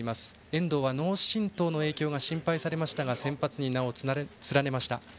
遠藤は脳震とうの影響が心配されましたが先発に名を連ねました。